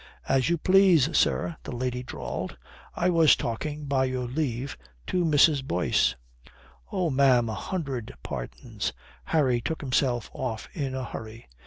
"As you please, sir," the lady drawled. "I was talking, by your leave, to Mrs. Boyce." "Oh, ma'am, a hundred pardons," Harry took himself off in a hurry.